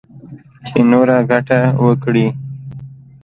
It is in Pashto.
چـې نـوره ګـټـه وكړي.